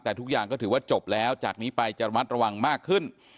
แต่ทุกอย่างก็ถือว่าจบแล้วจากนี้ไปจะระมัดระวังมากขึ้น